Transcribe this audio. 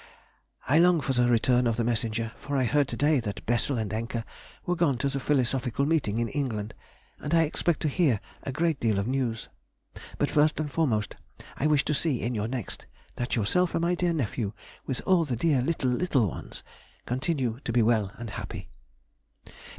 I long for the return of the messenger, for I heard to day that Bessel and Encke were gone to the philosophical meeting in England, and I expect to hear a great deal of news. But first and foremost I wish to see in your next that yourself and my dear nephew, with all the dear little, little ones, continue to be well and happy....